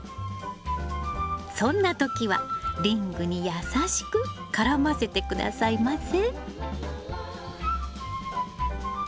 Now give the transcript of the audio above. そんな時はリングに優しく絡ませて下さいませ。